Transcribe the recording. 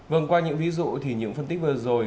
vâng qua những ví dụ thì những phân tích vừa rồi